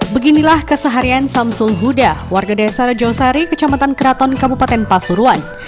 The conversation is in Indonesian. beginilah keseharian samsul huda warga desa rejo sari kecamatan keraton kabupaten pasurwan